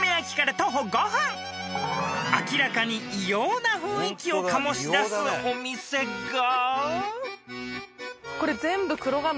［明らかに異様な雰囲気を醸し出すお店が］